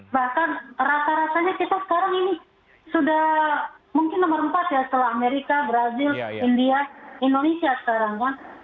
bahkan rata ratanya kita sekarang ini sudah mungkin nomor empat ya setelah amerika brazil india indonesia sekarang kan